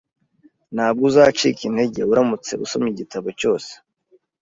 Ntabwo uzacika intege uramutse usomye igitabo cyose